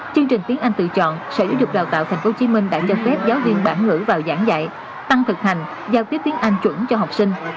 chương trình tiếng anh tự chọn sở giáo dục đào tạo tp hcm đã cho phép giáo viên bản ngữ vào giảng dạy tăng thực hành giao tiếp tiếng anh chuẩn cho học sinh